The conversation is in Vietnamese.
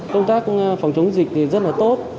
công tác phòng chống dịch rất là tốt